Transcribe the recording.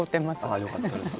ああよかったです。